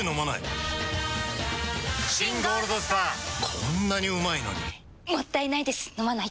こんなにうまいのにもったいないです、飲まないと。